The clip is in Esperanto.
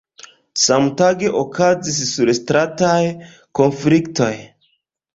Samtage okazis surstrataj konfliktoj.